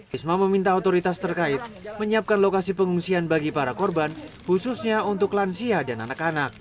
risma meminta otoritas terkait menyiapkan lokasi pengungsian bagi para korban khususnya untuk lansia dan anak anak